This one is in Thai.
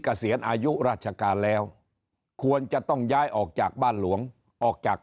เกษียณอายุราชการแล้วควรจะต้องย้ายออกจากบ้านหลวงออกจาก